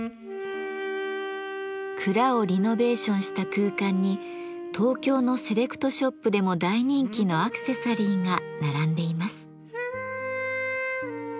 蔵をリノベーションした空間に東京のセレクトショップでも大人気のアクセサリーが並んでいます。